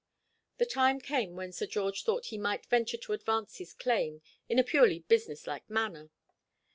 The time came when Sir George thought he might venture to advance his claim, in a purely business like manner.